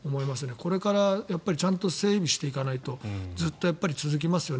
これからちゃんと整備していかないとずっと続きますよね。